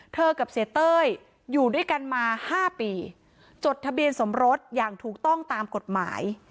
กับเสียเต้ยอยู่ด้วยกันมา๕ปีจดทะเบียนสมรสอย่างถูกต้องตามกฎหมาย